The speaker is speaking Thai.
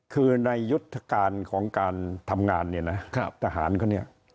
คือในยุทธการของการทำงานเนี่ยนะทหารเขาเนี่ย